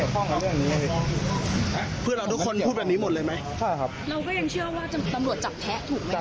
แน่นอนเลยคือจับแพ้เสียแล้วเท่าไหร่ทำเนี่ยมั่นใจขนาดนั้นนะฮะ